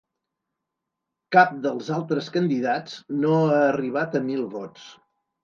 Cap dels altres candidats no ha arribat a mil vots.